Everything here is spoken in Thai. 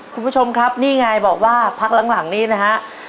คุณผู้ชมครับนี่ไงบอกว่าพักหลังนี้นะฮะ